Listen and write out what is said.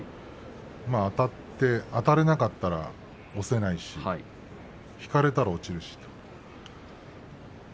あたって、あたれなかったら押せないし引かれたら落ちるし。